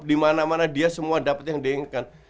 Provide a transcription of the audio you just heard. dimana mana dia semua dapet yang diinginkan